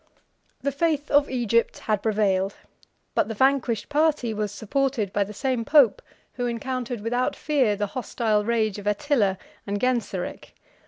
] The faith of Egypt had prevailed: but the vanquished party was supported by the same pope who encountered without fear the hostile rage of Attila and Genseric.